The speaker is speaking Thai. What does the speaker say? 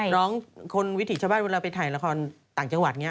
น้องคนวิถีชาวบ้านเวลาไปถ่ายละครต่างจังหวัดอย่างนี้